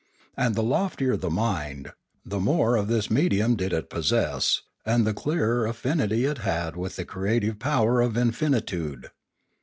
And the loftier the mind, the more of this medium did it possess, and the clearer affinity it had with the creative power of infin itude.